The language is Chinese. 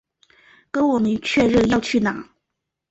跟我们确认要去哪